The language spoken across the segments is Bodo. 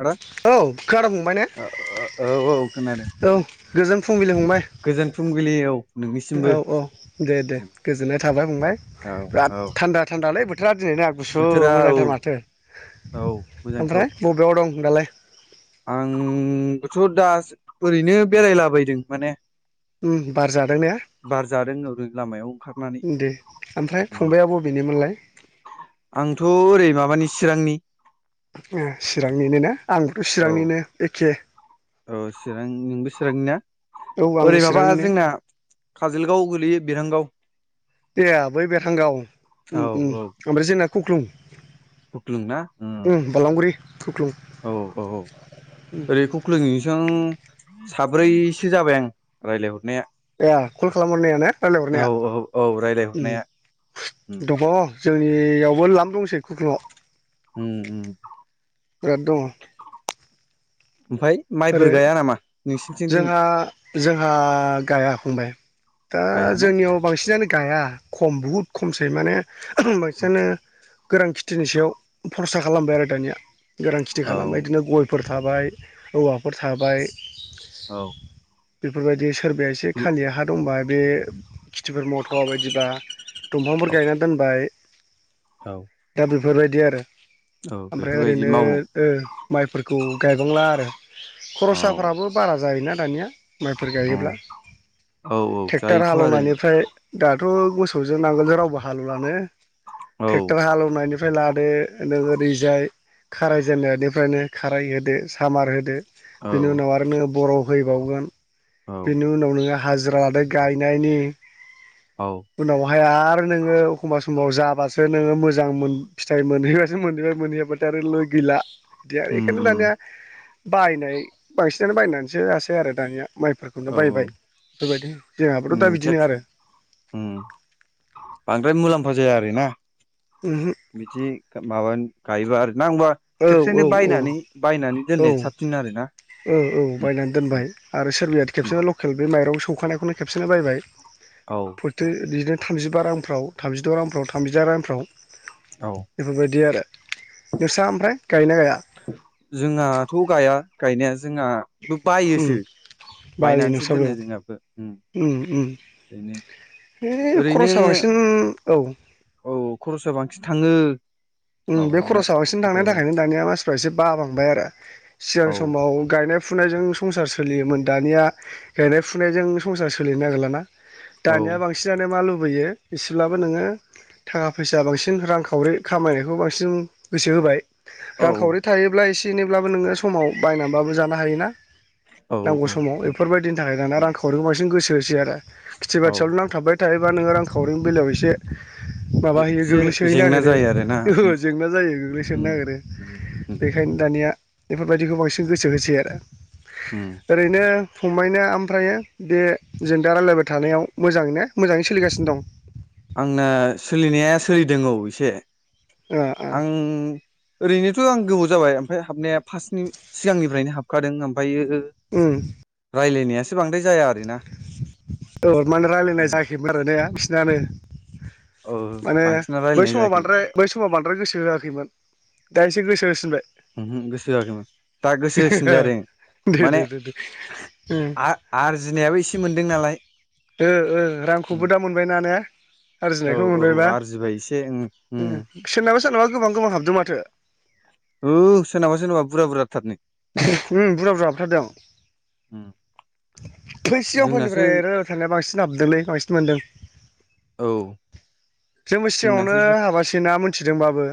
हना औ खोनादों फंबाय ने खोनादों औ गोजोन फुंबिलि फंबाय गोजोन फुंबिलि औ नोंनिसिमबो औ औ दे दे गोजोननाय थाबाय बुंबाय औ बिराद औ थान्दा थान्दालै बथोर दिनै ना गुसु बोथोरा औ मोजांथार माथो औ मोजांथ' ओमफ्राय बबेयाव दं दालाय आंबोथ' दा ओरैनो बेरायलाबायदों माने बार जादों ने बार जादों ओरै लामायाव ओंखारनानै दे ओमफ्राय फंबआ बबेनिमोनलाय आंथ' ओरै माबानि चिरांनि चिरांनिनो ना आंबोथ' औ चिरांनिनो एखे औ चिरां नोंबो चिरांनिना औ आंबो ओरै माबा चिरांनिनो जोंना काजोलगाव गोल्लैयो बिरांगाव ए बै बेरांगाव औ उम उम औ ओमफ्राय जोंना खुख्लुं खुख्लुं ना उम बालांगुरि खुख्लुं औ औ औ ओरै खख्लुं सं साब्रैसो जाबाय आं रायज्लायहरनाया ए कल खालामहरनाया औ रायज्लायहरनाया औ औ रायलायहरनाया उम दङ' जोंनियावबो लाम दंसै खुख्लुंङाव उम उम बिराद दङ ओमफाय माइफोर आरो गाया नामा नोंसिनिथिं दिनै जोंहा जोंहा गाया फंबाय दा गायाना जोंनियाव बांसिनानो गाया खम बुहुद खमसै माने बांसिनानो गोरान खेथिनि सायाव बरसा खालामबाय आरो दानिया गोरान खेथि औ खालामबाय बिदिनो गयफोर थाबाय औवाफोर थाबाय औ बेफोरबायदि सोरबाया एसे खालि हा दंबा बे खेथिफोर मावथ'वा बायदिबा दंफांफोर गायनानै दोनबाय औ दा बेफोरबायदि आरो औ ओमफ्राय बेफोरबायदि ओरैनो मावो ओ माइफोरखौ गायबांला आरो औ खरसाफ्राबो बारा जायोना दानिया माइफोर औ गायोब्ला औ औ ट्रेक्ट'र जायोथ' आरो हालेवनायनिफ्राय दा बो मोसौजों नांगोलजों रावबो हालौवा नो औ ट्रेक्टर हालेवनायनि फ्राय लादो नोङो ओरैजाय खाराय जेननायनिफ्रायनो खाराय होदो सामार होदो औ बिनि उनाव आरो नोङो बर' फैबावगोन औ बिनि उनाव नोङो हाजिरा लादो गायनायनि औ ओमफ्राय आरो नोङो एखमबा समावाबासो नोङो मोजां मोन फिथाइ मोनहैबासो मोनहैबाय मोनहैबाथाय आरोलै गैला बिदि आरो उम बेखायनो उम दानिया बायनाय बांसिनानो बायनानैसो जासै आरो दानिया माइफोरखौनो औ औ बायबाय बेफोरबायदिनो जोंहाबथ' दा उम बिदिनो खेबसे आरो उम बांद्राय मुलाम्फा जाया आरोना आरो बिदि माबा गायोबा आरो नांगौबा औ खेबसेनो औ बायनानै बायनानै औ दोननाया साबसिन आरो ना औ औ बायनानै दोनबाय आरो सोरबया' उम खेबसेनो लकेल बे माइरं सौखानायखौनो खेबसेनो बायबाय औ फरथो बिदिनो थामजिबा रांफ्राव थामजिद' रांफ्राव थामजिदाइन रांफ्राव औ बेफोरबायदि आरो नोंस्रा ओमफ्राय गायोना गाया जोंहाथ' गाया गायनाया जोंहाबो उम बायोसो बायो बायनानैसो नोंस्राबो दोनो जोंहाबो उम उम ओरैनो बे खरसा ओरैनो बांसिन औ औ खरसा बांसिन थाङो उम बे माबानाया खरसा बांसिन बिदि थांनायनि गायबा थाखायनो दानिया मानसिफ्रा एसे बा बांबाय आरो सिगां औ समाव गायनाय फुनायजों संसार सोलियोमोन दानिया गायनाय फुनायजों संसार सोलिनो नागिरला ना औ दानिया बांसिनानो मा लु बैयो एसेब्लाबो नोङो थाखा फैसा बांसिन रांखावरि खामायनायखौ बेखौ बांसिन गोसो होबाय औ रांखावरि थायोब्ला एसे बिदिनोब्लाबो नोङो समाव बायनानैबाबो जानो हायोना औ नांगौ औ समाव बेफोरबायदिनि थाखाय दाना रां खावरिखौ बांसिन गोसो होसै आरो खेथि औ बाथियावल' नांथाबाय थायोबा नोङो रांखावरिनि बेलायाव एसे माबाहैयो एसे गोग्लैसोहैनो जेंना नागिरो जायो आरोना उम जेंना जायो गोग्लैसोनो उम नागिरो उम उम बेखायनो दा दानिया बेफोरबायदिखौ बांसिन गोसो होसै आरो उम ओरैनो फंबायना ओमफ्र बे जों दा रायज्लायबाय थानायाव मोजाङैनो मोजाङै सोलिगासिनो दं आंनो सोलिनाया सोलिदों औ इसे ओ ओ आं ओरैनो आं गोबाव जाबाय ओमफ्राय हाबनाया फार्स्टनि सिगांनिफ्रायनो हाबखादों ओमफ्रायो उम राय्लायनाया। औ माने उम राय्लायनाय जायाखैमोन आरो नेा बिसोरनानो औ माने बांसिना बै रायलायनाय समाव जायाखै बांद्राय बै समाव बांद्राय गोसो होआखैमोन दा एसे गोसो होसिनबाय गोसो होसिनबाय दे दे आरो दे दे ओ आरजिनायाबो एसे मोनदों नालाय ओ रांखौबो दा मोनबायना ने औ आरजिनायखौ औ मोनबायबा आरजिबाय एसे उम उम सोरनाबा सोरनाबा गोबां गोबां हाबदों माथो औ सोरनाबा सोरनाबा बुर्जा बुर्जा थारनो औ बुरजा बुरजाा हाबथार दों बै जोंनासो सिगांफोरनिफ्राय रायज्लाय थानाया बांसिन हाबदोंलै बांसिन मोनदों औ जोंबो जोंनासो सिगाङावनो एसे हाबासै ना मोनथिदोंबाबो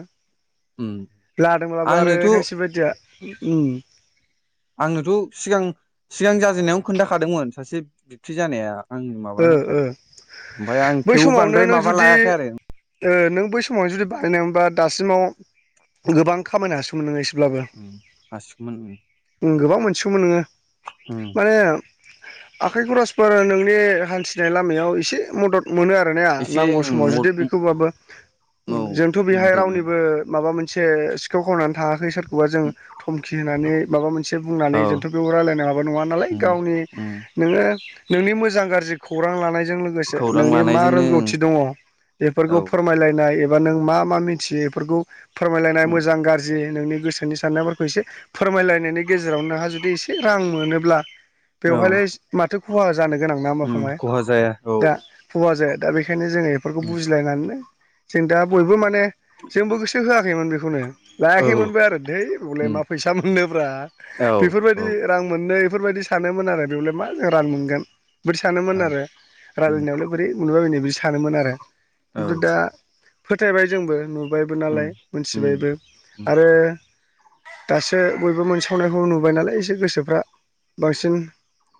उम लादोंब्लाबोा आरो आंनोथ' खायसे बायदिया आंनोथ' सिगां सिगां जाजेननायावनो खोन्थाखादोंमोन सासे बिबथि जानाया आंनो ओ माबानो ओ होखादों ओमफ्राय आं बै थेवबो समावनो बांद्राय नों माबा जुदि लायाखै आरो। नों बै समाव जुदि बानायनोबा दासिमाव गोबां खामायनो हासोगौमोन नों हासिगौमोन सोममोन नोङो उम माने आखाइ खरसफोर नोंनि हान्थिनाय लामायाव एसे मदद मोनो आरोना एसे नांगौ उम समाव मद जुदि बेखौबाबो औ जोंथ' बेहाय मदद मोनो रावनिबो माबा मोनसे सिखाव खावनानै थाङाखै सोर एबा जों थ धमखि होनानै माबा मोनसे बुंनानै औ जोंथ' बेयाव रायज्लायनो हाबा नङा नालाय उम गावनि उम नोङो नोंनि मोजां गाज्रि खौरां लानाय। जों लोगोसे खौरां नोंनि मा लानायजोंनो रोंगौथि दं औ बेफोरखौ फोरमायलायनाय एबा नों मा मा मिथियो बेफोरखौ फोरमायलायनाय उम मोजां गाज्रि नोंनि गोसोनि साननायफोरखौ एसे फोरमायलायनायनि गेजेराव नोंहा जुदि एसे रां मोनोब्ला औ बेवहायलाय माथो खहा जानो गोनां नंया होनबा उम फंबाय खहा जाया औ दा दा बेखायनो जोङो बेफोरखौ उम बुजलायनानैनो जों दा बयबो माने जोंबो गोसो होआखैमोन बेखौनो। औ लायाखैमोनबो आरो दै उम बेबा फैसा मोनोब्रा औ बेफोरबायदि रां मोननै बेफोरबायदि सानोमोन आरो बेवलाय मा जों रां मोनगोन सानोमोन औ आरो उम रायजलायनायावलाय बोरै मोनुबा बायनो बिदि सानोमोन आरो औ खिन्थु दा फोथायबाय जोंबो नुबायबो उम नालाय उम मोनथिबायबो उम आरो दासो बयबो मोनसावनायखौ नुबाय नालाय एसे गोसोफ्रा बांसिन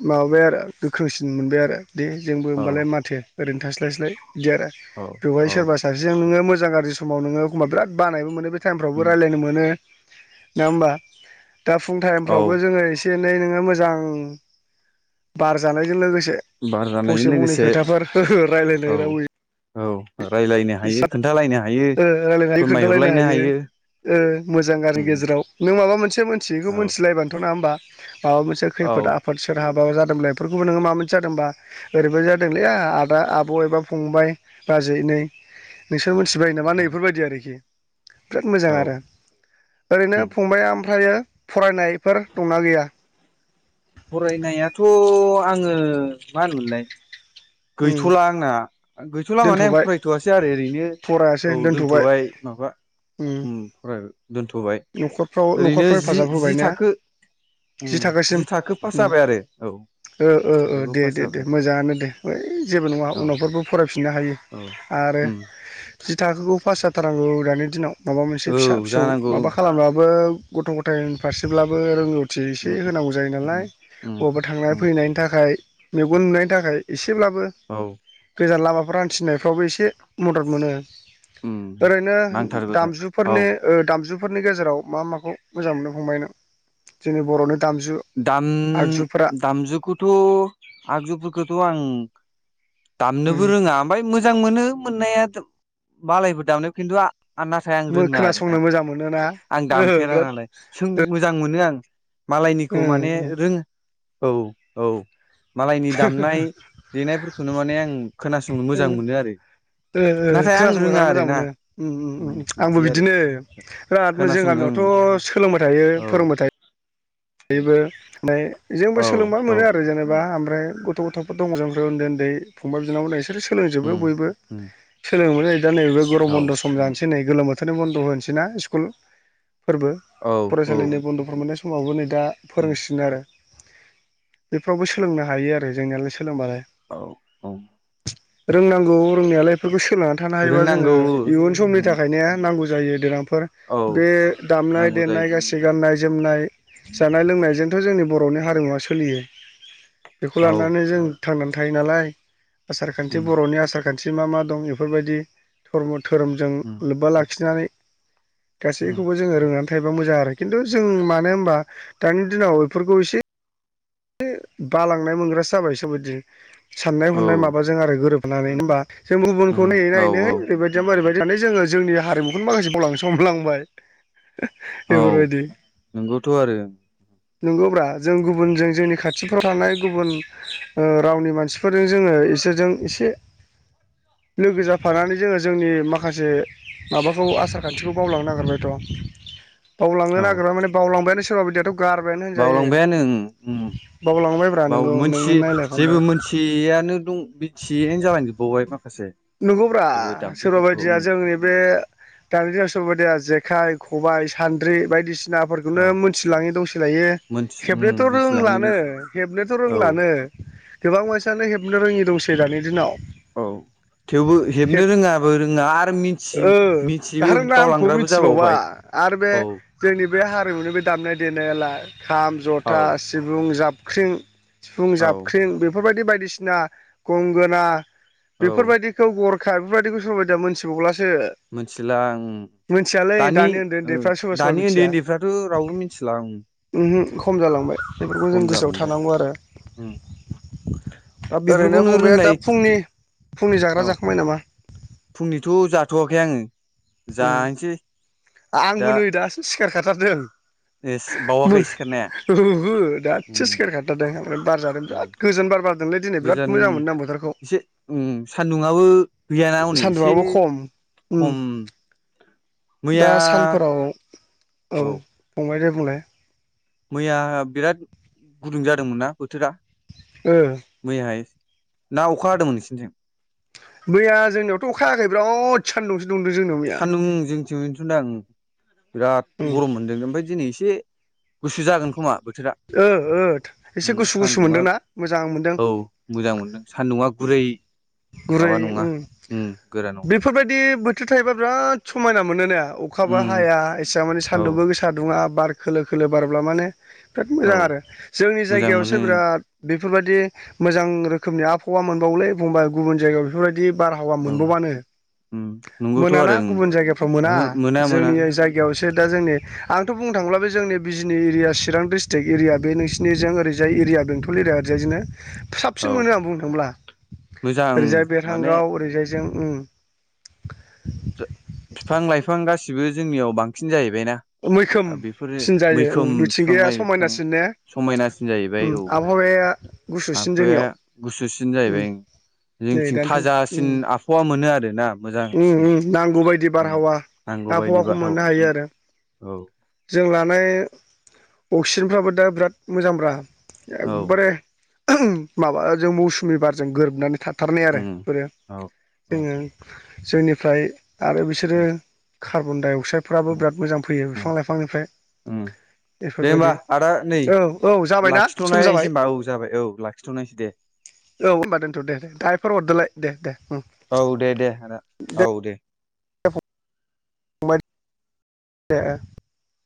माबाबाय आरो गोख्रोंसिन। मोनबाय आरो दे जोंबो औ होनबालाय माथो ओरैनो थास्लायस्लाय बिदि आरो औ बेवहाय औ सोरबा सासेजों नोङो मोजां गाज्रि समाव नोङोखमबा बिराद बानायबो मोनो बे टाइमफ्रावबो उम रायज्लायनो मोनो नङा होमबा दा फुं औ टाइमफ्रावबो जोङो एसे एसे एनै नोङो मोजां बार जानायजों लोगोसे बार जानायजों फंसे फंनै लोगोसे खोथाफोर औ रायज्लायनाय रावै औ रायलायनो हायो हसाब खोन्थालायनो हायो रायज्लायनो हायो खोन्थालायनो हायो। मोजां आरो उम गेजेराव नों माबा मोनसे से मोनथियैखौ औ मिथिलायबानोथ' ना होमबा माबा मोनसे औ खैफोद आफोद सोरहाबा माबा जादोंलायफोरखौबो नोङो माब मोनसे जादोंबा ओरैबायदि जादोंलैया आदा आब' एबा फंबाय। बाजै नै नोंसोर मिथिबाय नामा औ नैफोरबायदि आरोखि। बिराद मोजां औ आरो ओरैनो फंबाया ओमफ्रायो फरायनायफोर दंना गैया फरायनायाथ' आङो मा होनोमोनलाय उम गैथ'ला आंना गैथ'ला माने आं दोनथ'बाय फरायथ'वसै आरो ओरैनो औ दोनथ'बाय माबा उम फराय दोनथ'बाय न'खरफ्राव ओरैनो न'खरफ्राव जि हेफाजाब होबाय जि ना थाखो उम जि थाखो पास उम जाबाय आरो औ ओ ओ जि ओ थाखोखौ दे पास दे दे जाबाय मोजाङानो दे ओइ जेबो नङा औ उनावफोरबो फरायफिननो हायो औ आरो उम जि थाखोखौ पास जाथारनांगौ दानि दिनाव माबा मोनसे औ फिसा फिसौ जानांगौ माबा उम खालामबाबो गथ' गथायनि फारसेब्लाबो रोंगौथि एसे उम होनांगौ जायो उम नालाय उम बहाबा थांनानै उम फैनायनि थाखाय मेगन नुनायनि थाखाय एसेब्लाबो औ गोजान लामा न'खर हानथिनायफ्रावबो एसे मदद मोनो उम ओरैनो नांथारगौ जायो दामजुफोरनि औ ओ दाम दामजुफोरनि गेजेराव मा माखौ मोजां मोननो फंबाय नों जोंनि बर'नि दामजु दाम आगजुफोरा दामजुखौथ' आगजुफोरखौथ' आं दामनोबो रोङा ओमफ्राय मोजां मोनो मोननाया मालायफोर दामनायाव खिन्थु आं नाथाय आं उम रोङा आरोना खोनासंनो मोजां मोनोना आं ओहो दामफेरा बिराद नालाय सों मोजां मोनो आं मालायनिखौ उम माने रोङो औ औ मालायनि दामनाय देनायफोरखौनो माने आं खोनासंनो उम मोजां मोनो आरो ओ ओ नाथाय आं खोनासंबाय रोङा थानो मोजां आरोना मोनो उम उम उम आंबो बिदि आरो बिदिनो बिराद जों खोनासंनो गामियावथ' सोलोंबाय थायो औ फोरोंबाय थायो माने जोंबो औ सोलोंबा औ मोनो आरो जेनेबा ओमफ्राय गथ' गथ'फोर दं जों उन्दै उन्दै फंबाय बिनानाव बिसोरो सोलोंजोबो उम बयबो उम सोलों दा नैबे गरम औ बन्द' सम जानोसै नै गोलोम बोथोरनि बन्द' होनोसैना स्कुल फोरबो औ औ फरायसालिनि बन्द'फोर मोननाय समावबो नै दा औ फोरोंसिगोन आरो बेफोरावबो सोलोंनो हायो आरो जोंनिलाय स सोलोंबानो औ औ रोंनांगौ रोंनायालाय बेफोरखौ सोलोंनानै थानो हायोबा जोङो रोंनांगौ इयुन समनि उम थाखायनो नांगौ जायो देनां फोर औ बे दामनाय नांगौ देनाय जायो गासै गाननाय जोमनाय जानाय लोंनायजोंथ' जोंनि बर'नि हारिमुवा सोलियो बेखौ औ लानानै जों थांनानै थायो नालाय आसार खान्थि उम बर'नि आसार खान्थि मा मा दं बेफोरबायदि धर्म धोरोमजों उम लोब्बा लाखिनानै उम गासैखौबो जोङो रोंनानै थायोबा मोजां आरो खिन्थु जों मानो होनबा दानि दिनाव बेफोरखौ एसे बालांनाय मोनग्रासो जाबायसो बायदि साननाय औ हनाय माबाजों आरो गोरोबनानै होमबा जों उम गुबुनखौ नायै औ नायैनो औ ओरैबायदिया ओरैबायदि होनानै जोङो जोंनि हारिमुखौनो माखासे बावलांनोसो हमलांबाय औ बेफोरबायदि नोंगौथ' आरो नंगौब्रा जों गुबुनजों जोंनि खाथिफ्राव थानाय गुबुन ओ रावनि मानसिफोरजों जोङो बिसोरजों एसे [inaudible] लोगो जाफानानै जोङो जोंनि माखासे माबाखौ आसार खान्थिखौ बावलांनो नागिरबायथ' बावलांनो औ नागिरनाय माने बावलांबायानो सोरबा बायदियाथ' गारबायानो होनजायो बावलांबायानो ओं उम बावलां बाव मोनथि जेबो मोनथिययानो दं मिथिययानो जालां जोबबावबाय नंगौब्रा सोरबा बायदिया उम जोंनि बे दानि दिनाव सोरबा बायदिया जे जेखाइ खबाय सान्द्रि औ बायदिसिनाफोरखौनो मिथिलाङै दंसो लायो मोनथि उम हेबनोथ' मोनथिलाङै रोंलानो दंसै हेबनोथ' औ रोंलानो गोबां मानसियानो हेबनो रोङि दंसै दानि दिनाव औ थेवबो हेब हेबनो रोङाबो रोङा आरो मिथि ओ मिथियैबो आरो नामखौ बावलांग्राबो मिथिबावा जाबावबाय आरो बे औ जोंनि बे हारिमुनि बे दामनाय देनायालाय खाम औ जथा सिफुं जाबख्रिं सिफुं औ जाबख्रिं बेफोरबायदि बायद कृष्णा गंगोना औ बेफोरबायदिखौ गरखा बेफोरबायदिखौ सोरबा बायदिया मोनथिबावलासो मिथिला ओं मिथियालै दानि उन्दै ओ उन्दैफ्रा सोरबा सोरबा दानि उन्दै उन्दैफ्राथ' रावबो मिथिला उम उमहो खम जालांबाय बेफोरखौ जों खम गोसोआव जालांबाय थानांगौ आरो उम दा ओरैनो बेफोरखौनो फंबाया दा रोंनाय फुंनि फुंनि औ जाग्रा जाखांबाय नामा? फुंनिथ' जाथ'वाखै आङो उम जानोसै आंबो नै दासोम सिखारखाथारदों। ए बावाखै सिखारनाया? ओहो दा एसे सिकेर खारथादों ओमफ्राय बारादों बिराद गोजोन बार बारदोंलै दिनै बिराद गोजान मोजां मोनदां बोथोरखौ। एसे उ सान्दुंङाबो गैयाना हनै एसे सान्दुंआबो खम उम खम। दा मैया सानफोराव औ फंबाय दे बुंलाय मैया बिराद गुदुं जादोंमोन मोनना बोथोरा ओ मैयाहाय ना अखा हादोंमोन नोंसोनिथिं? मैया जोंनियावथ' अखा हायाखै बिराद सानान्दंसो सान्दुं जोंथिं [unintelligible] आ बिराद गरम मोनदों ओमफ्राय दिनै एसे गुसु जागोन खोमा। बोथोरा ओ ओ एसे गुसु गुसु सान्दुंङा मोनदोंना मोजां मोनदों औ मोजां मोनदों सान्दुंङा गुरै। दैै गुरै उम नङा बेफोरबायदि बो थायोबा बिराद समायना मोनो ना अखाबो हाया एसेबां मानि औ सान्दुंबो गोसा दुङा। बार खोलो खोलो बारब्ला माने बिराद औ मोजां जोंनि मोजां जायगायावसो मोनो बिराद बेफोरबायदि मोजां रोखोमनि आबहावा मोनबावलै होनबा गुबुन जायगायाव बेफोरबायदि बिदि बारहावा औ मोनबावानो। नंगौथ' मोनाना आरो गुबुन जायगाफ्राव मोना ओहो मोना जोंनि जायगायावसो दा जोंनि आंथ' बुंनो थांङोब्ला बे जोंनि बिजनि एरिया चिरां डिस्ट्रिट स्ट्रिक्ट एरिया बे नोंसिनिजों ओरजाय एरिया बेंटल एरया ओरैजाजोंनो औ साबसिन मोनो आं बुंनो थांब्ला मोजां ओरैजाय माने बेरहांगाव ओरैजाय जों उम बिफां लाइफां गासिबो जोंनियाव बांसिन जाहैबायना बेफोरो मैखोमसिन जायो मैखोम उम बिफां मिथिंगाया लाइफां समायनासिन ने समायनासिन जाहैबाय उम औ आबहावाया गुसुसिन जोंनियाव आबहावाया गुसुसिन उम जाहैबाय नै जोंथिं दानोथ' थाजासिन उम आबहावा मोनो आरोना उम मोजांसिन। उम नांगौ बायदि उम बारहावा नांगौ बायदि आबहावाखौ बारहावा मोननो हायो मोनो आरो औ जों लानाय अक्सिजेनफ्राबो दा बिराद मोजांब्रा औ एखबारे माबाजों मौसुमि बारजों गोरोबनानै थाथारनाय आरो उम बेफोरो औ जोंङो जोंनिफ्राय आरो बिसोरो उम कार्बन डाइअक्स अकसायदफ्राबो उम बिराद मोजां फैयो उम बिफां लाइफांनिफ्राय उम दे होमबा बेफोरबायदि आदा नै औ औ जाबायना सम लाखिथ'नायसै जाबाय होमबा औ जाबाय औ लाखिथ'नायसै दे। औ होनोमबा दोनथ' दे दे दा एफोर हरदोलाय दे दे उम औ दे दे औ दे [unintelligible]